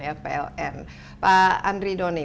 ya pln pak andri doni